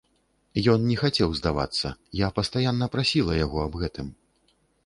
Ён не хацеў здавацца, я пастаянна прасіла яго аб гэтым.